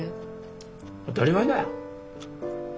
当たり前だ。